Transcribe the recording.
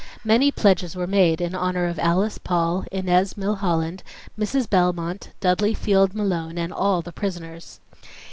Many pledges were made in honor of Alice Paul, Inez Milholland, Mrs. Belmont, Dudley Field Malone, and all the prisoners.